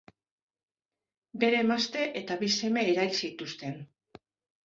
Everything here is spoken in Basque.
Bere emazte eta bi seme erail zituzten.